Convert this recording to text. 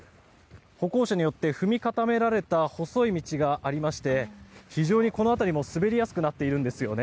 歩行者によって踏み固められた細い道がありまして非常にこの辺りも滑りやすくなってるんですよね。